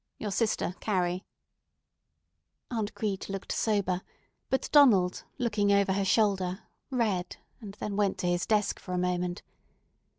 Your sister, CARRIE." Aunt Crete looked sober; but Donald, looking over her shoulder, read, and then went to his desk for a moment.